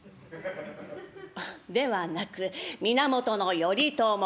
ではなく源頼朝。